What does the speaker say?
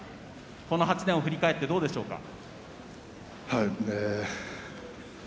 この８年を振り返ってどうですか。